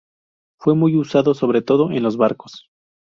Fue muy usado, sobre todo en los barcos.